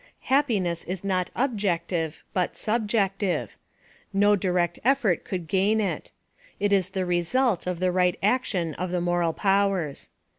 — Happiness is not objective but subjective ; no di rect effort could gain it ; it is the result of the right action of the moral powers.